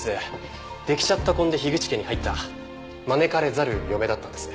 出来ちゃった婚で口家に入った招かれざる嫁だったんです。